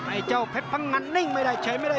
ไอ้เจ้าเพชรพังงันนิ่งไม่ได้เฉยไม่ได้